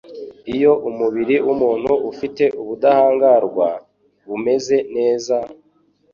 Iyo umubiri w'umuntu ufite ubudahngarwa bumeze neza,